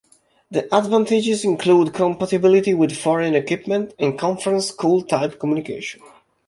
The advantages include compatibility with foreign equipment and conference call-type communication.